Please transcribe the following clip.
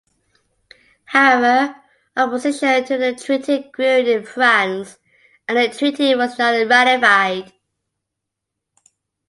However, opposition to the treaty grew in France and the treaty was not ratified.